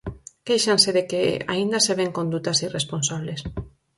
Quéixanse de que aínda se ven condutas irresponsables.